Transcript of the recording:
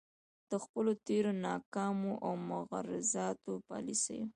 د خپلو تیرو ناکامو او مغرضانه يالیسیو